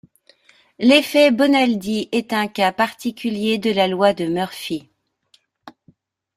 L'effet Bonaldi est un cas particulier de la loi de Murphy.